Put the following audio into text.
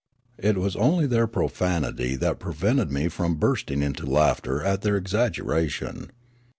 It was only their profanity that prevented me from bursting into laughter at their exaggeration.